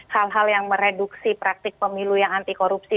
hal hal yang mereduksi praktik pemilu yang anti korupsi